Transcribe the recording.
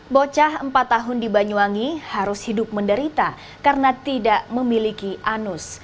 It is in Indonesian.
bocah empat tahun di banyuwangi harus hidup menderita karena tidak memiliki anus